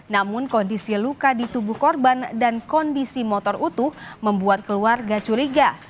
namun kondisi luka di tubuh korban dan kondisi motor utuh membuat keluarga curiga